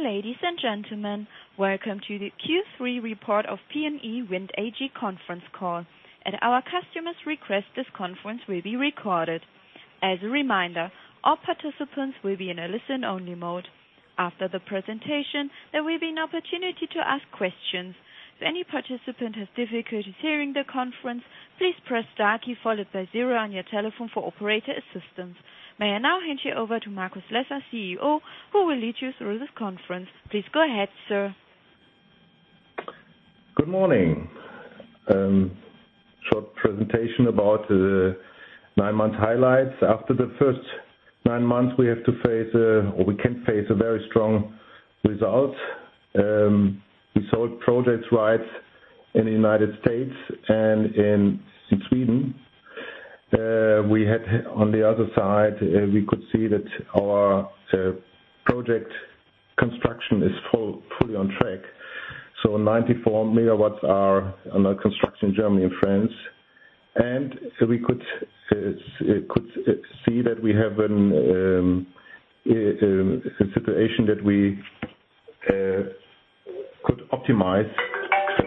Ladies and gentlemen, welcome to the Q3 report of PNE Wind AG conference call. At our customers' request, this conference will be recorded. As a reminder, all participants will be in a listen-only mode. After the presentation, there will be an opportunity to ask questions. If any participant has difficulties hearing the conference, please press star key followed by zero on your telephone for operator assistance. May I now hand you over to Markus Lesser, CEO, who will lead you through this conference. Please go ahead, sir. Good morning. Short presentation about the nine-month highlights. After the first nine months, we can face a very strong result. We sold project rights in the United States and in Sweden. On the other side, we could see that our project construction is fully on track. 94 megawatts are under construction in Germany and France. We could see that we have a situation that we could optimize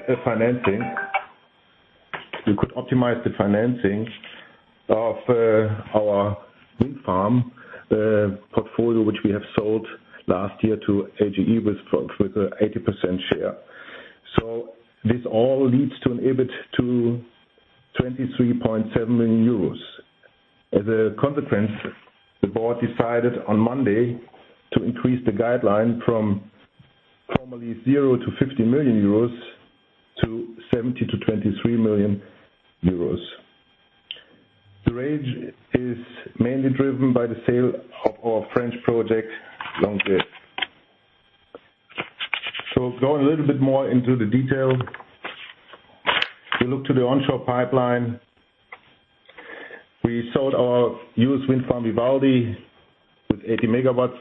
the financing of our wind farm portfolio, which we have sold last year to AGE with an 80% share. This all leads to an EBIT to 23.7 million euros. As a consequence, the board decided on Monday to increase the guideline from formerly zero to 50 million euros to 17 million-23 million euros. The range is mainly driven by the sale of our French project, Longueville. Going a little bit more into the detail, we look to the onshore pipeline. We sold our used wind farm, Vivaldi, with 80 megawatts.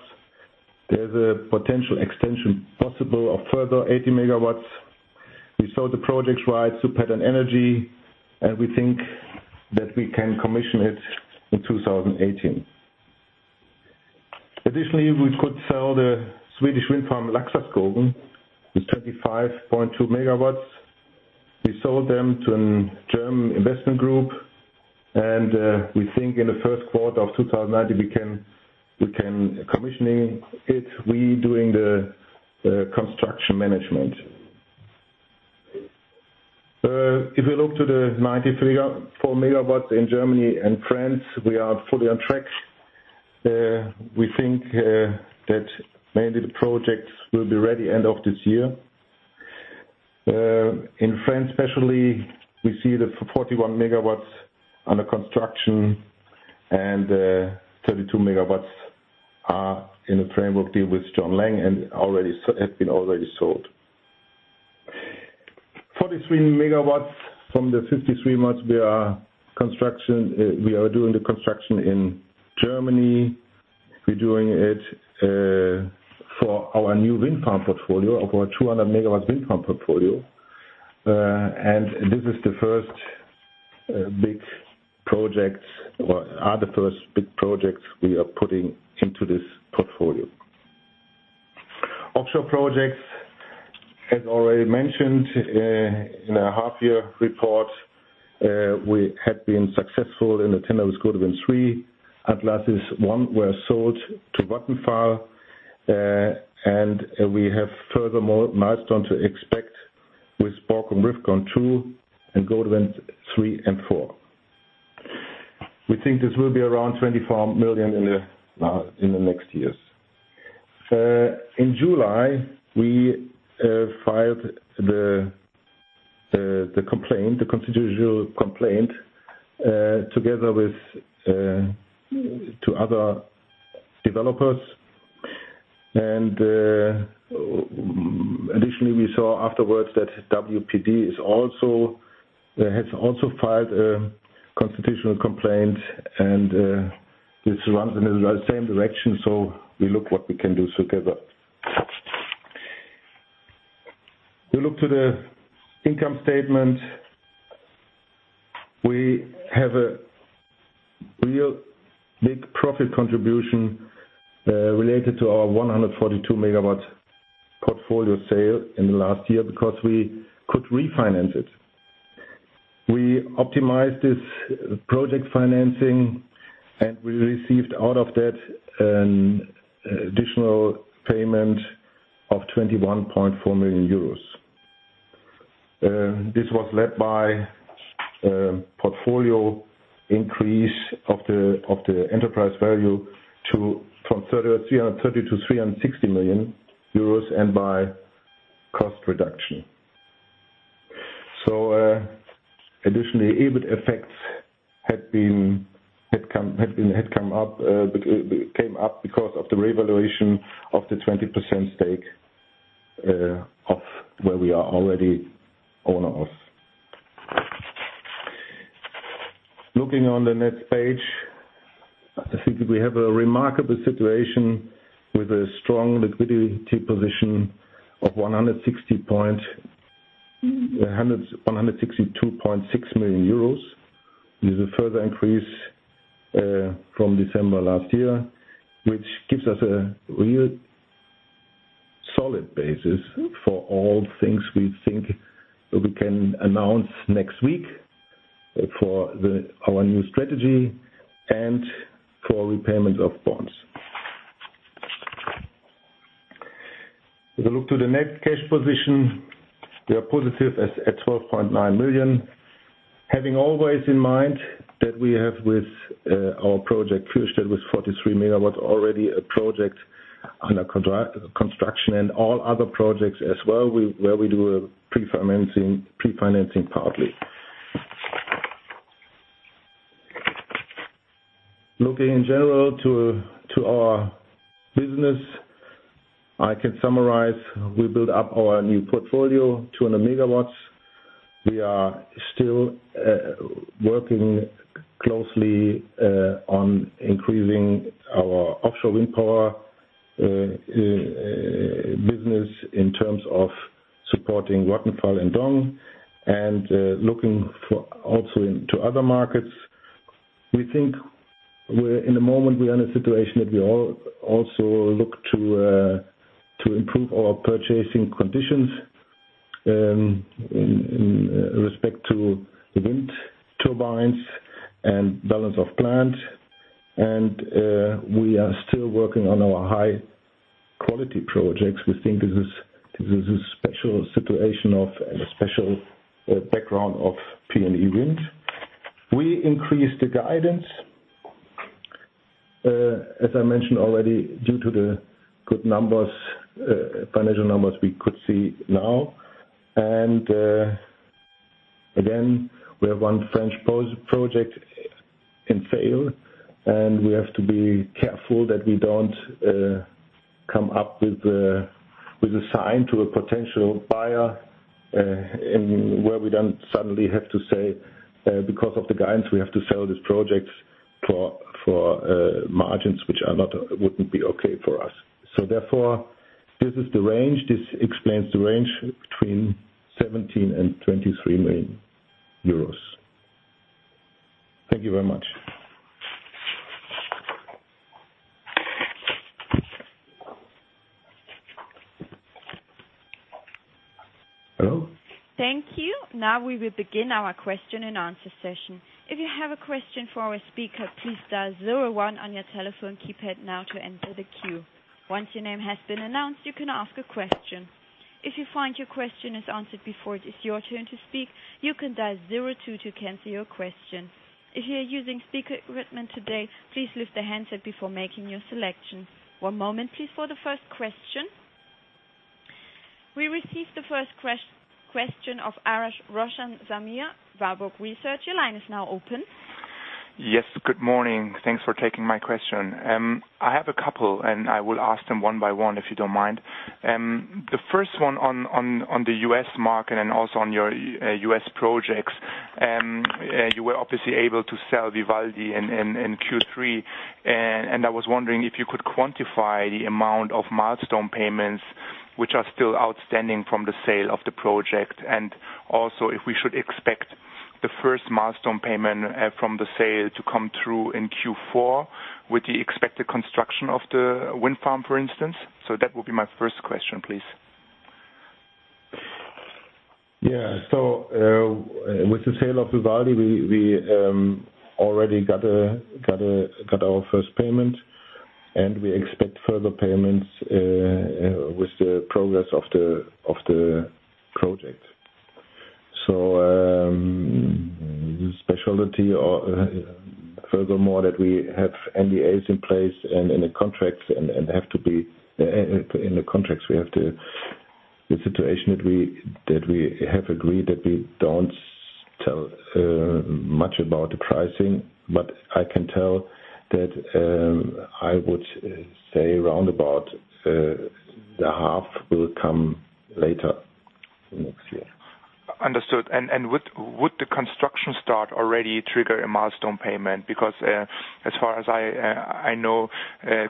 There is a potential extension possible of further 80 megawatts. We sold the project rights to Pattern Energy, and we think that we can commission it in 2018. Additionally, we could sell the Swedish wind farm, Laxaskogen, with 35.2 megawatts. We sold them to a German investment group, and we think in the first quarter of 2019, we can commissioning it. We doing the construction management. If we look to the 94 megawatts in Germany and France, we are fully on track. We think that mainly the projects will be ready end of this year. In France especially, we see the 41 megawatts under construction and 32 megawatts are in a framework deal with John Laing and have been already sold. 43 megawatts from the 53 megawatts, we are doing the construction in Germany. We are doing it for our new wind farm portfolio, of our 200-megawatt wind farm portfolio. This is the first big project, or are the first big projects we are putting into this portfolio. Offshore projects, as already mentioned in our half-year report, we had been successful in the TenneT Gode Wind 3. Atlantis I were sold to Vattenfall, and we have furthermore milestone to expect with Borkum Riffgrund 2 and Gode Wind 3 and 4. We think this will be around 24 million in the next years. In July, we filed the complaint, the constitutional complaint, together with two other developers. Additionally, we saw afterwards that wpd has also filed a constitutional complaint, and this runs in the same direction, we look what we can do together. We look to the income statement. We have a real big profit contribution related to our 142-megawatt portfolio sale in the last year because we could refinance it. We optimized this project financing, we received out of that an additional payment of 21.4 million euros. This was led by portfolio increase of the enterprise value from 330 million to 360 million euros and by cost reduction. Additionally, EBIT effects came up because of the revaluation of the 20% stake of where we are already owner of. Looking on the next page, I think we have a remarkable situation with a strong liquidity position of 162.6 million euros is a further increase from December last year, which gives us a real solid basis for all things we think we can announce next week for our new strategy and for repayment of bonds. If you look to the net cash position, we are positive at 12.9 million. Having always in mind that we have with our project, Fuchstal, with 43 megawatts, already a project under construction and all other projects as well, where we do a pre-financing partly. Looking in general to our business, I can summarize, we build up our new portfolio, 200 megawatts. We are still working closely on increasing our offshore wind power business in terms of supporting Vattenfall and Dong looking also into other markets. We think we're in a moment, we are in a situation that we also look to improve our purchasing conditions in respect to the wind turbines and balance of plant. We are still working on our high-quality projects. We think this is a special situation of, and a special background of PNE Wind. We increased the guidance, as I mentioned already, due to the good financial numbers we could see now. Again, we have one French project in sale, and we have to be careful that we don't come up with a sign to a potential buyer, where we then suddenly have to say, because of the guidance, we have to sell these projects for margins which wouldn't be okay for us. Therefore, this is the range. This explains the range between 17 million and 23 million euros. Thank you very much. Hello? Thank you. Now we will begin our question and answer session. If you have a question for our speaker, please dial zero one on your telephone keypad now to enter the queue. Once your name has been announced, you can ask a question. If you find your question is answered before it is your turn to speak, you can dial zero two to cancel your question. If you are using speaker equipment today, please lift the handset before making your selection. One moment please for the first question. We receive the first question of Arash Roshanzamir, Warburg Research. Your line is now open. Yes. Good morning. Thanks for taking my question. I have a couple. I will ask them one by one, if you don't mind. The first one on the U.S. market and also on your U.S. projects. You were obviously able to sell Vivaldi in Q3, and I was wondering if you could quantify the amount of milestone payments which are still outstanding from the sale of the project, and also if we should expect the first milestone payment from the sale to come through in Q4 with the expected construction of the wind farm, for instance. That would be my first question, please. With the sale of Vivaldi, we already got our first payment, and we expect further payments with the progress of the project. The specialty or furthermore, that we have NDAs in place and in the contracts we have the situation that we have agreed that we don't tell much about the pricing, but I can tell that, I would say roundabout, the half will come later next year. Understood. Would the construction start already trigger a milestone payment? As far as I know,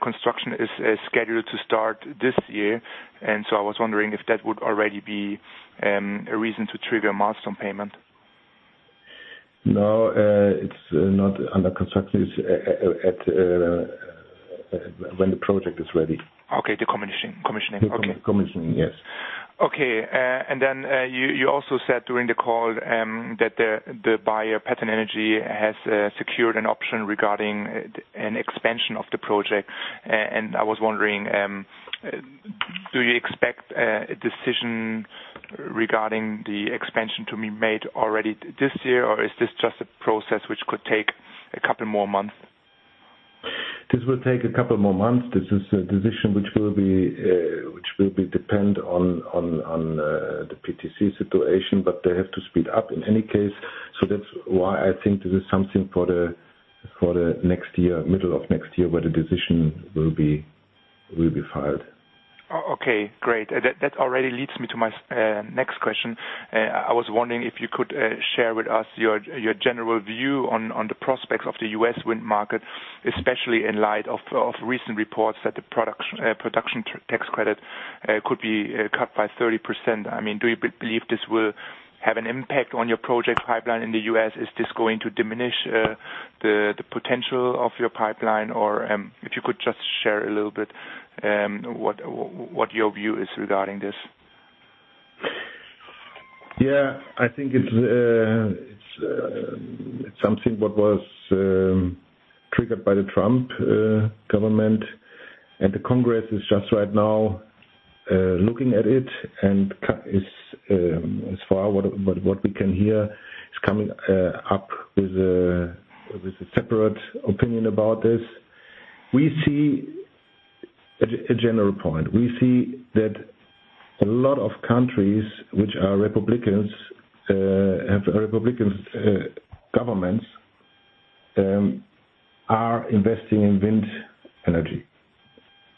construction is scheduled to start this year, and so I was wondering if that would already be a reason to trigger a milestone payment. No, it's not under construction. It's when the project is ready. Okay. The commissioning. Okay. The commissioning, yes. Okay. Then, you also said during the call, that the buyer, Pattern Energy, has secured an option regarding an expansion of the project. I was wondering, do you expect a decision regarding the expansion to be made already this year, or is this just a process which could take a couple more months? This will take a couple more months. This is a decision which will be dependent on the PTC situation, they have to speed up in any case. That's why I think this is something for the next year, middle of next year, where the decision will be filed. Okay, great. That already leads me to my next question. I was wondering if you could share with us your general view on the prospects of the U.S. wind market, especially in light of recent reports that the Production Tax Credit could be cut by 30%. Do you believe this will have an impact on your project pipeline in the U.S.? Is this going to diminish the potential of your pipeline? Or if you could just share a little bit, what your view is regarding this. Yeah. I think it's something what was triggered by the Trump government. The United States Congress is just right now looking at it, and as far what we can hear, is coming up with a separate opinion about this. A general point, we see that a lot of countries which have republican governments, are investing in wind energy.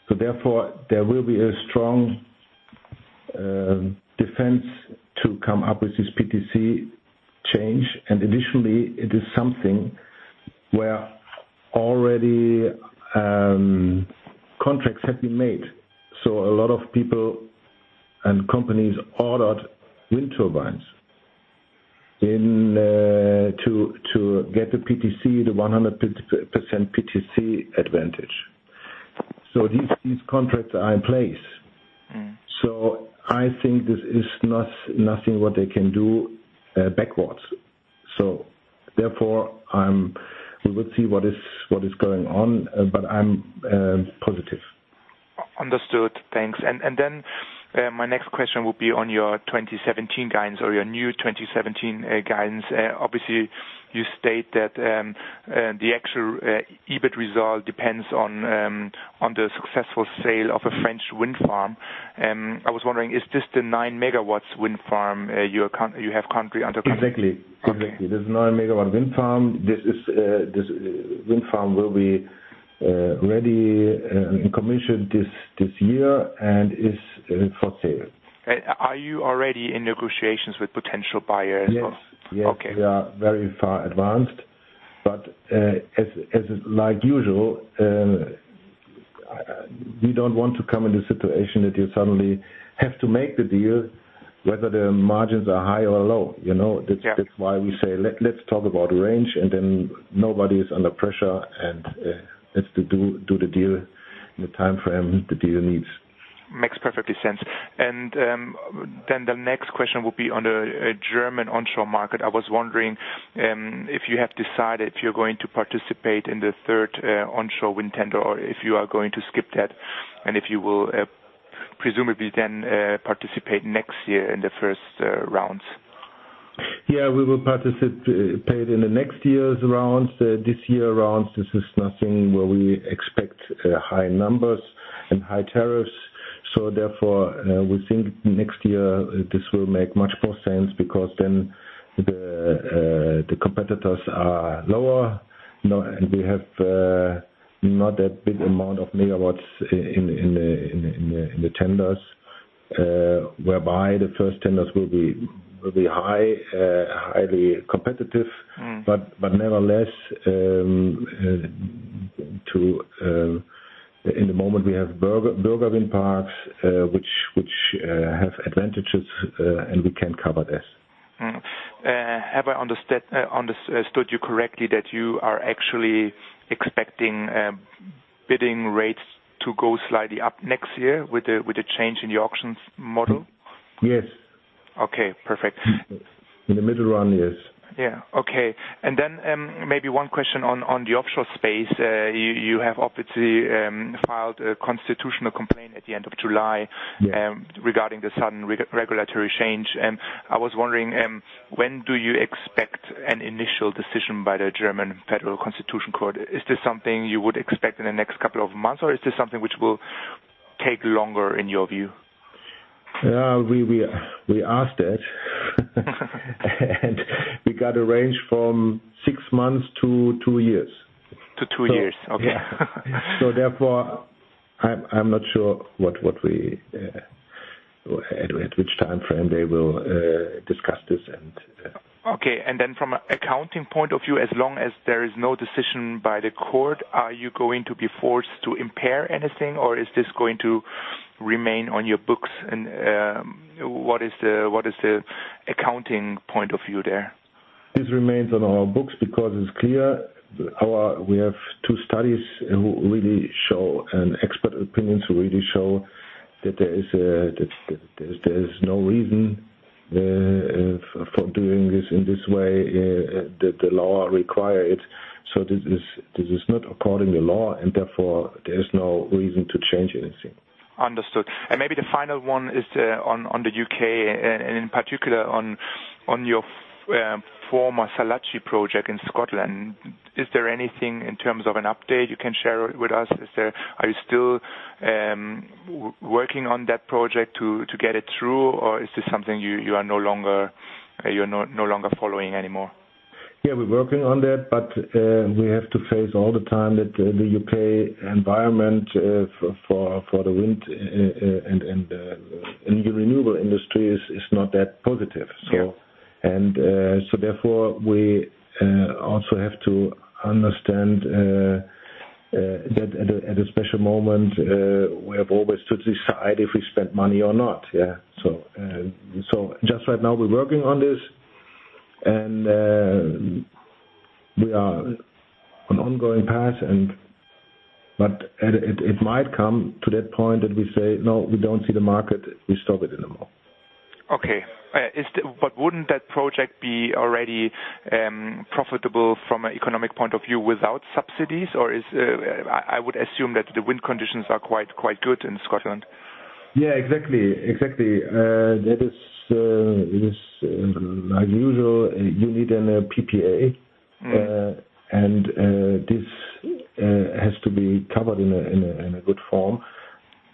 Therefore, there will be a strong defense to come up with this PTC change. Additionally, it is something where already contracts have been made. A lot of people and companies ordered wind turbines to get the 100% PTC advantage. These contracts are in place. I think this is nothing what they can do backwards. Therefore, we will see what is going on. I'm positive. Understood. Thanks. My next question will be on your 2017 guidance or your new 2017 guidance. Obviously, you state that the actual EBIT result depends on the successful sale of a French wind farm. I was wondering, is this the nine megawatts wind farm you have currently under contract? Exactly. Okay. This is a nine-megawatt wind farm. This wind farm will be ready and commissioned this year and is for sale. Are you already in negotiations with potential buyers? Yes. Okay. We are very far advanced, but, like usual, we don't want to come in a situation that you suddenly have to make the deal whether the margins are high or low. Yeah. That's why we say, let's talk about range, and then nobody is under pressure, and let's do the deal in the timeframe the deal needs. Makes perfect sense. The next question will be on the German onshore market. I was wondering if you have decided if you are going to participate in the third onshore wind tender, or if you are going to skip that, and if you will presumably then participate next year in the first rounds. We will participate in the next year's rounds. This year's rounds, this is nothing where we expect high numbers and high tariffs. Therefore, we think next year this will make much more sense because then the competitors are lower, and we have not that big amount of megawatts in the tenders, whereby the first tenders will be highly competitive. Nevertheless, in the moment, we have Bürgerwindparks, which have advantages, and we can cover this. Have I understood you correctly that you are actually expecting bidding rates to go slightly up next year with the change in the auctions model? Yes. Okay. Perfect. In the middle run, yes. Yeah. Okay. Then maybe one question on the offshore space. You have obviously filed a constitutional complaint at the end of July. Yes regarding the sudden regulatory change. I was wondering, when do you expect an initial decision by the German Federal Constitutional Court? Is this something you would expect in the next couple of months, or is this something which will take longer in your view? We asked that. We got a range from six months to two years. To two years. Okay. Therefore, I'm not sure at which timeframe they will discuss this. Okay. From a accounting point of view, as long as there is no decision by the court, are you going to be forced to impair anything, or is this going to remain on your books? What is the accounting point of view there? This remains on our books because it's clear we have two studies and expert opinions who really show that there is no reason for doing this in this way, that the law require it. This is not according to law, and therefore, there is no reason to change anything. Understood. Maybe the final one is on the U.K., and in particular on your former Sallachy project in Scotland. Is there anything in terms of an update you can share with us? Are you still working on that project to get it through, or is this something you are no longer following anymore? Yeah, we're working on that, we have to face all the time that the U.K. environment for the wind and the renewable industry is not that positive. Yeah. Therefore, we also have to understand that at a special moment, we have always to decide if we spend money or not. Just right now, we're working on this, and we are on ongoing path, it might come to that point that we say, "No, we don't see the market. We stop it anymore. Okay. Wouldn't that project be already profitable from an economic point of view without subsidies? I would assume that the wind conditions are quite good in Scotland. Yeah, exactly. That is like usual, you need an PPA. This has to be covered in a good form.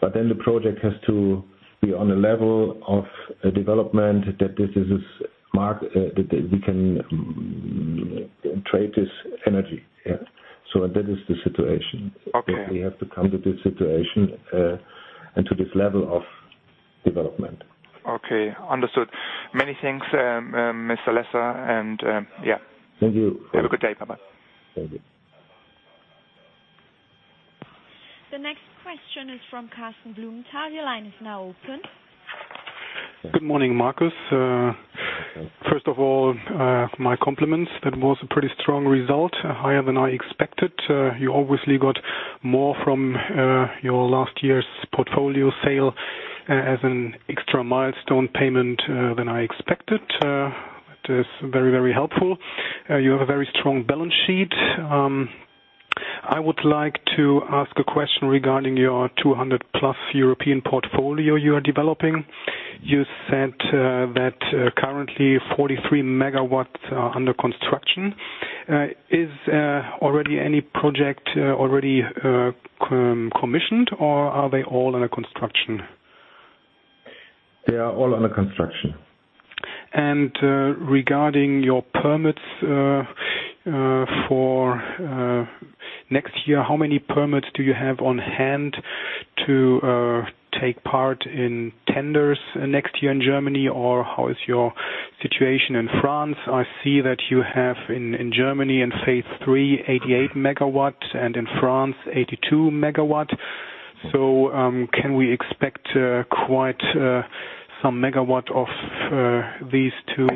The project has to be on a level of development that we can trade this energy. That is the situation. Okay. That we have to come to this situation, and to this level of development. Okay. Understood. Many thanks, Mr. Lesser. Yeah. Thank you. Have a good day. Bye-bye. Thank you. The next question is from Carsten Blumenthal. Your line is now open. Good morning, Markus. Hello. First of all, my compliments. That was a pretty strong result, higher than I expected. You obviously got more from your last year's portfolio sale as an extra milestone payment than I expected. It is very helpful. You have a very strong balance sheet. I would like to ask a question regarding your 200 plus European portfolio you are developing. You said that currently 43 megawatts are under construction. Is already any project already commissioned or are they all under construction? They are all under construction. Regarding your permits for next year, how many permits do you have on hand to take part in tenders next year in Germany, or how is your situation in France? I see that you have in Germany in phase 3, 88 megawatts, and in France, 82 megawatts. Can we expect quite some megawatt of these two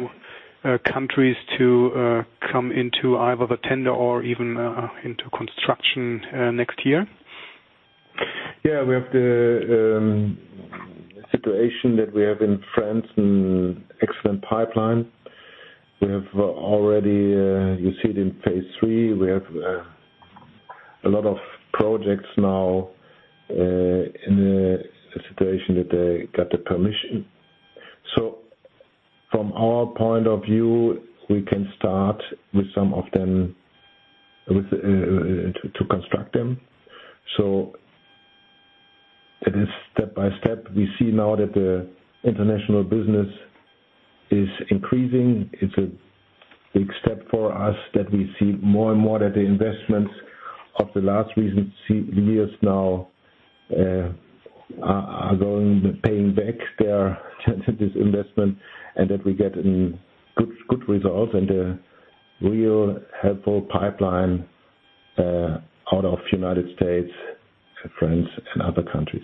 countries to come into either the tender or even into construction next year? Yeah, we have the situation that we have in France, an excellent pipeline. We have already, you see it in phase 3. We have a lot of projects now in a situation that they got the permission. From our point of view, we can start with some of them to construct them. It is step by step. We see now that the international business is increasing. It's a big step for us that we see more and more that the investments of the last recent years now are paying back their investment, and that we get good results and a real helpful pipeline out of U.S., France, and other countries.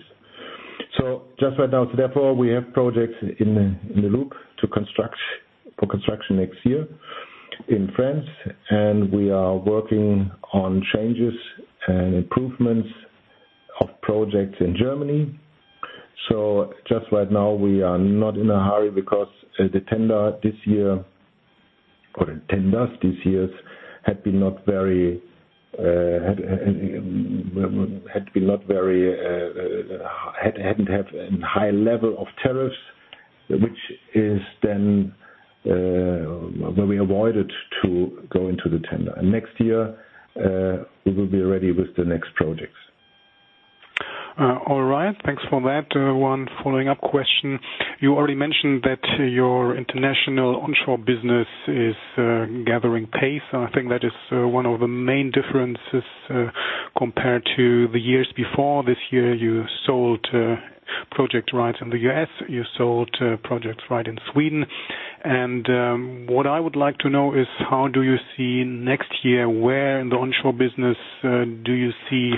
Just right now, therefore, we have projects in the loop for construction next year in France, and we are working on changes and improvements of projects in Germany. Just right now, we are not in a hurry because the tender this year, or tenders this years hadn't have an high level of tariffs, which is then where we avoided to go into the tender. Next year, we will be ready with the next projects. All right. Thanks for that. One following up question. You already mentioned that your international onshore business is gathering pace, and I think that is one of the main differences compared to the years before. This year, you sold project rights in the U.S., you sold project right in Sweden. What I would like to know is how do you see next year? Where in the onshore business, do you see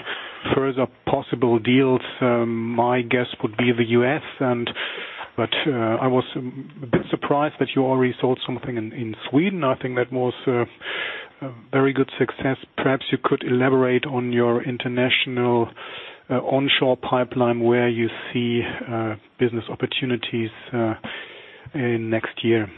further possible deals? My guess would be the U.S., but I was a bit surprised that you already sold something in Sweden. I think that was a very good success. Perhaps you could elaborate on your international onshore pipeline, where you see business opportunities in next year.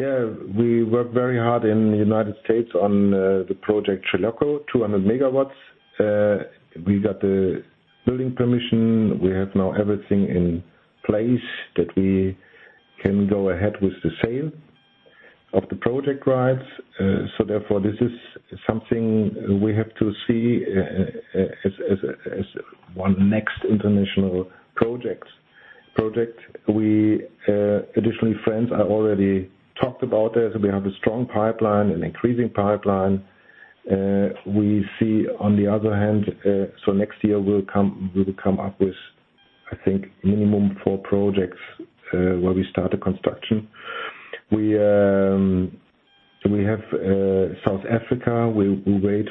Yeah. We work very hard in the U.S. on the project Chilocco, 200 MW. We got the building permission. We have now everything in place that we can go ahead with the sale of the project rights. Therefore, this is something we have to see as one next international project. We, additionally, France, I already talked about that. We have a strong pipeline, an increasing pipeline. Next year we will come up with I think minimum four projects where we start the construction. We have South Africa, it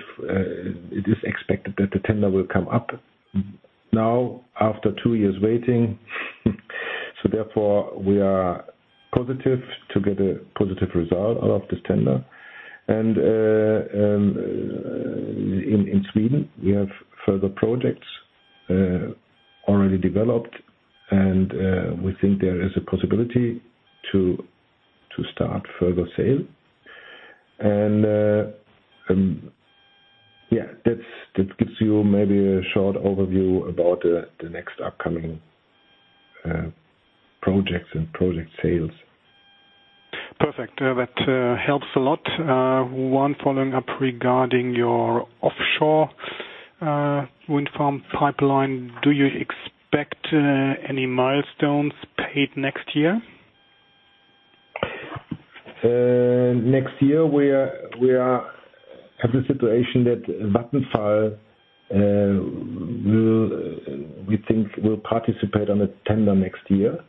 is expected that the tender will come up now after two years waiting. Therefore, we are positive to get a positive result out of this tender. In Sweden, we have further projects already developed. We think there is a possibility to start further sale. That gives you maybe a short overview about the next upcoming projects and project sales. Perfect. That helps a lot. One following up regarding your offshore wind farm pipeline. Do you expect any milestones paid next year? Next year, we have the situation that Vattenfall, we think, will participate on a tender next year.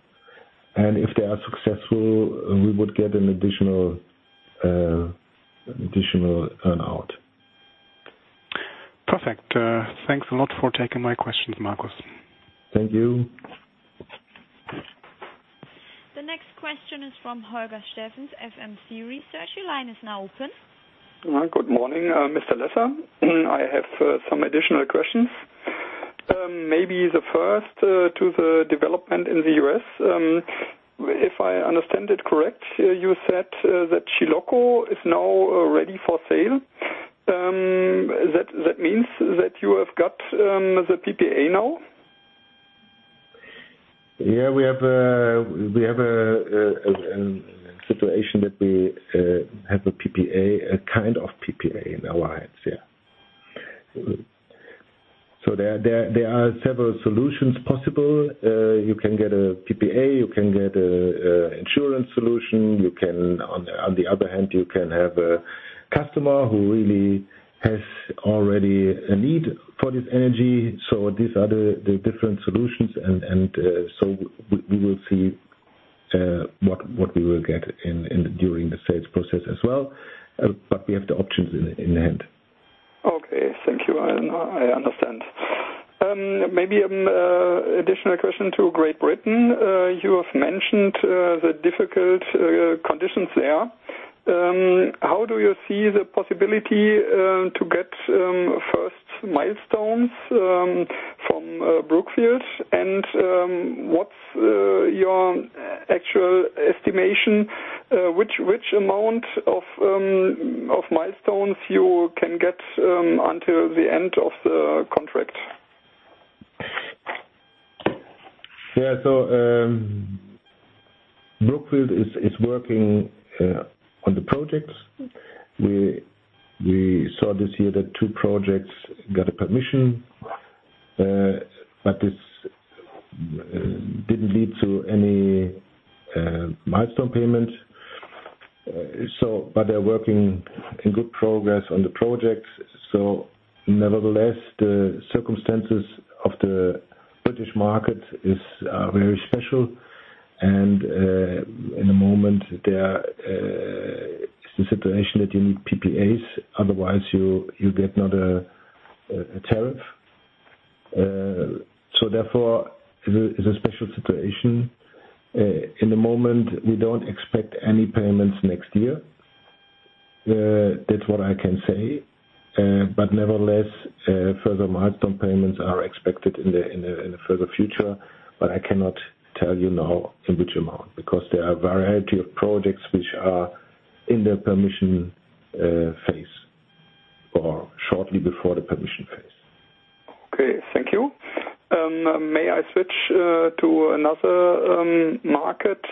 If they are successful, we would get an an additional earn-out. Perfect. Thanks a lot for taking my questions, Markus. Thank you. The next question is from Holger Steffen, SMC Research. Your line is now open. Good morning, Mr. Lesser. I have some additional questions. Maybe the first to the development in the U.S. If I understand it correctly, you said that Chilocco is now ready for sale. That means that you have got the PPA now? Yeah, we have a situation that we have a PPA, a kind of PPA in alliance, yeah. There are several solutions possible. You can get a PPA, you can get a insurance solution. On the other hand, you can have a customer who really has already a need for this energy. These are the different solutions. We will see what we will get during the sales process as well. We have the options in hand. Okay. Thank you. I understand. Maybe additional question to Great Britain. You have mentioned the difficult conditions there. How do you see the possibility to get first milestones from Brookfield? What's your actual estimation, which amount of milestones you can get until the end of the contract? Yeah, Brookfield is working on the projects. We saw this year that two projects got a permission, this didn't lead to any milestone payment. They're working in good progress on the projects. Nevertheless, the circumstances of the British market is very special, and in the moment there is the situation that you need PPAs, otherwise you get not a tariff. Therefore, it's a special situation. In the moment, we don't expect any payments next year. That's what I can say. Nevertheless, further milestone payments are expected in the further future. I cannot tell you now in which amount, because there are a variety of projects which are in the permission phase or shortly before the permission phase. Okay, thank you. May I switch to another market?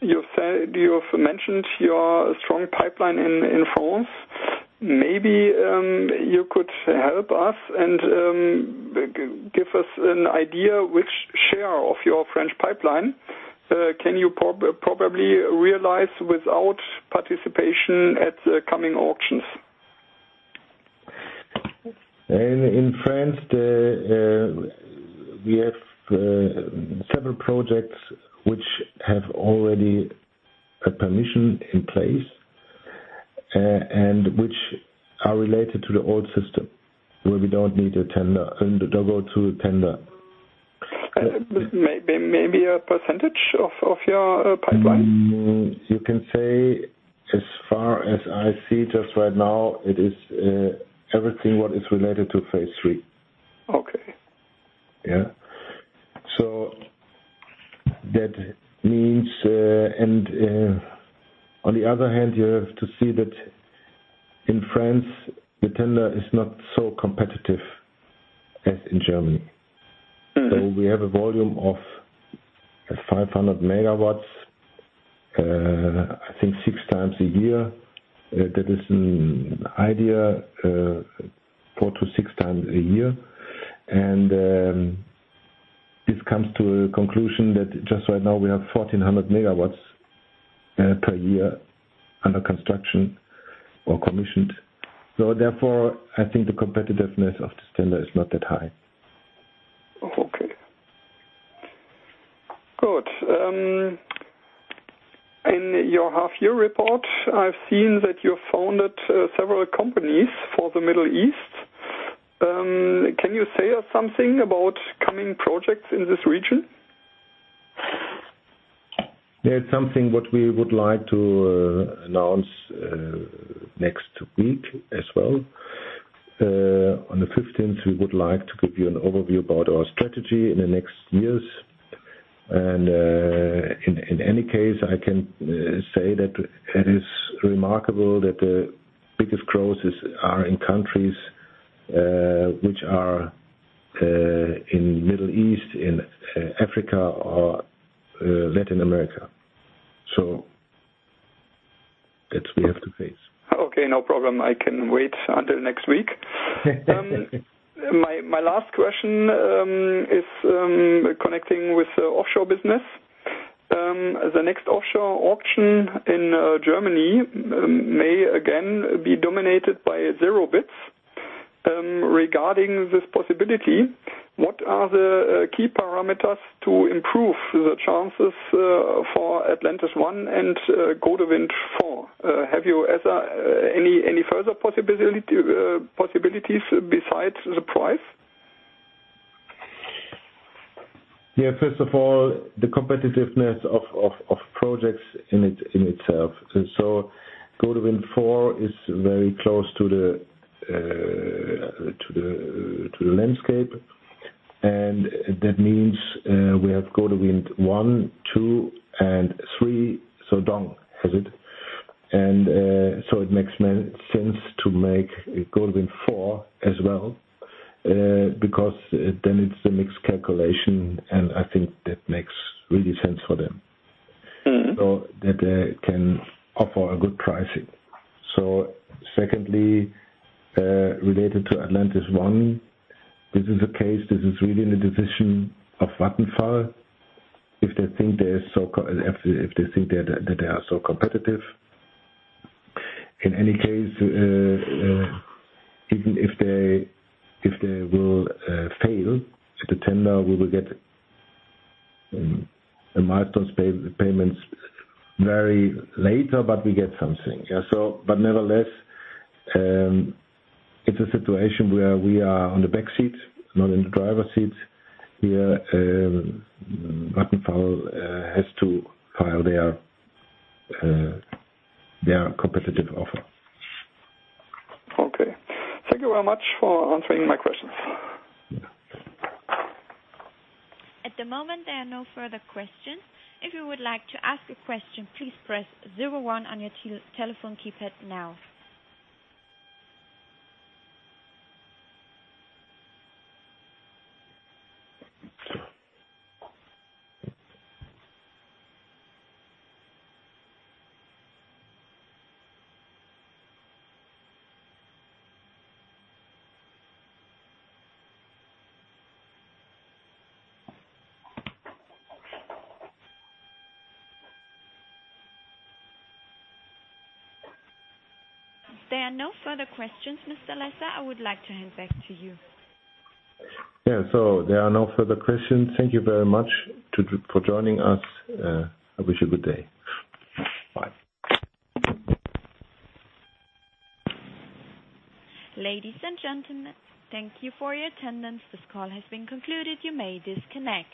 You've mentioned your strong pipeline in France. Maybe you could help us and give us an idea which share of your French pipeline can you probably realize without participation at the coming auctions? In France, we have several projects which have already a permission in place and which are related to the old system, where we don't go to a tender. Maybe a percentage of your pipeline? You can say as far as I see just right now, it is everything what is related to phase 3. Okay. Yeah. On the other hand, you have to see that in France, the tender is not so competitive as in Germany. We have a volume of 500 MW, I think six times a year. That is an idea, four to six times a year. This comes to a conclusion that just right now we have 1,400 MW per year under construction or commissioned. Therefore, I think the competitiveness of this tender is not that high. Okay. Good. In your half year report, I've seen that you founded several companies for the Middle East. Can you say us something about coming projects in this region? There's something what we would like to announce next week as well. On the 15th, we would like to give you an overview about our strategy in the next years. In any case, I can say that it is remarkable that the biggest growths are in countries which are in Middle East, in Africa or Latin America. That we have to face. Okay, no problem. I can wait until next week. My last question is connecting with offshore business. The next offshore auction in Germany may again be dominated by zero bids. Regarding this possibility, what are the key parameters to improve the chances for Atlantis I and Gode Wind 4? Have you any further possibilities besides the price? Yeah, first of all, the competitiveness of projects in itself. Gode Wind 4 is very close to the landscape, and that means we have Gode Wind 1, 2, and 3, DONG has it. It makes sense to make Gode Wind 4 as well, because then it's a mixed calculation, I think that makes really sense for them. That they can offer a good pricing. Secondly, related to Atlantis I, this is a case, this is really in the decision of Vattenfall. If they think that they are so competitive. In any case, even if they will fail at the tender, we will get the milestones payments very later, but we get something. Nevertheless, it's a situation where we are on the back seat, not in the driver's seat here. Vattenfall has to file their competitive offer. Okay. Thank you very much for answering my questions. At the moment, there are no further questions. If you would like to ask a question, please press 01 on your telephone keypad now. There are no further questions, Mr. Lesser, I would like to hand back to you. Yeah, there are no further questions. Thank you very much for joining us. I wish you a good day. Bye. Ladies and gentlemen, thank you for your attendance. This call has been concluded. You may disconnect.